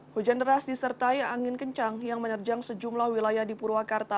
hujan deras disertai angin kencang yang menerjang sejumlah wilayah di purwakarta